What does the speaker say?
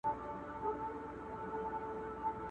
له اورنګه یې عبرت نه وو اخیستی!!